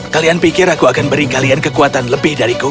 kalian pikir aku akan beri kalian kekuatan lebih dariku